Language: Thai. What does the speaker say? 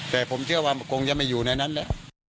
แต่ผมเชื่อว่าผมก็ยังไม่อยู่ในนั้นแล้ว